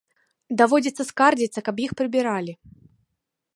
Даводзіцца скардзіцца, каб іх прыбіралі.